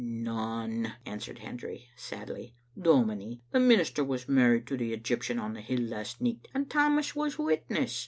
"None," answered Hendry sadly. "Dominie, the minister was married to the Egyptian on the hill last nicht, and Tammas was witness.